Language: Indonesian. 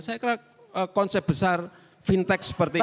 saya kira konsep besar fintech seperti ini